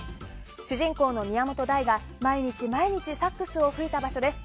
主人公の宮本大が毎日毎日サックスを吹いた場所です。